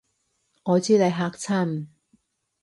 我知你嚇親